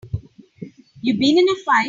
You been in a fight?